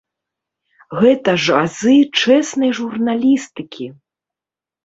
Гэта ж азы чэснай журналістыкі!